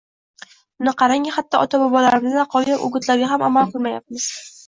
Buni qarangki, hatto ota-bobolarimizdan qolgan o‘gitlarga ham amal qilmayapmiz